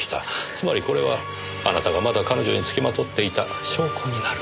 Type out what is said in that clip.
つまりこれはあなたがまだ彼女に付きまとっていた証拠になる。